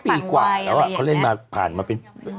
ปีกว่าแล้วเขาเล่นมาผ่านมาเป็น